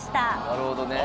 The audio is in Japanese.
なるほどね。